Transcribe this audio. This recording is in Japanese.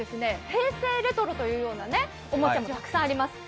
平成レトロというおもちゃもたくさんあります。